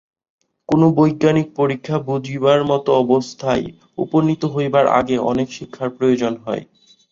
কোন বৈজ্ঞানিক পরীক্ষা বুঝিবার মত অবস্থায় উপনীত হইবার আগে অনেক শিক্ষার প্রয়োজন হয়।